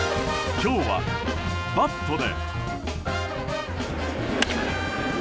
今日はバットで。